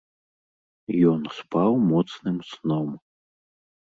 Ён спаў моцным сном.